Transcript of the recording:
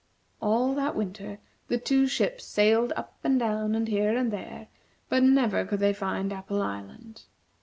All that winter, the two ships sailed up and down, and here and there, but never could they find Apple Island.